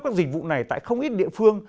các dịch vụ này tại không ít địa phương